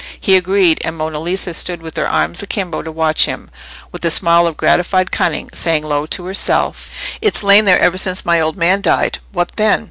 He agreed, and Monna Lisa stood with her arms akimbo to watch him, with a smile of gratified cunning, saying low to herself— "It's lain there ever since my old man died. What then?